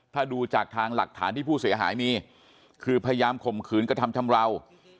ถ้าดูจากทางหลักฐานที่ผู้เสียหายมีคือพยายามข่มขืนกระทำชำราว